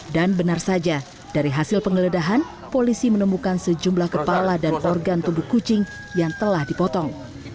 dan benar saja dari hasil pengeledahan polisi menemukan sejumlah kepala dan organ tubuh kucing yang telah dipotong